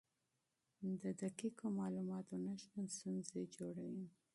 د دقیقو معلوماتو نشتون ستونزې جوړوي.